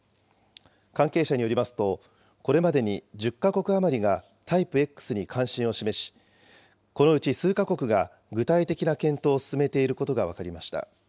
関係者によりますと、これまでに１０か国余りがタイプＸに関心を示し、このうち数か国が具体的な検討を進めていることが分かりました。